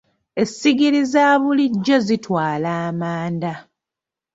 Essigiri za bulijjo zitwala amanda.